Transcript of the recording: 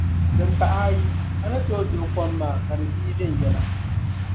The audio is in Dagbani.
Dim pahi ayi, a ni tooi duɣi kom maa ka di bii vɛnyɛla.